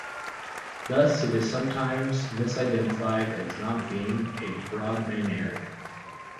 Thus it is sometimes misidentified as not being a Brodmann area.